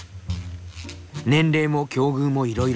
年齢も境遇もいろいろ。